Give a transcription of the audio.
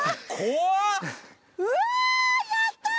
うわーやったー！